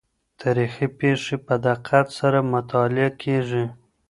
تاریخي پېښې په دقت سره مطالعه کیږي.